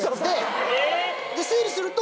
整理すると。